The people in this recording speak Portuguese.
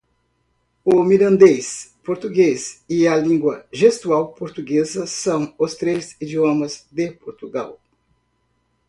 O Mirandês, Português e a Lingua Gestual Portuguesa são os três idiomas de Portugal.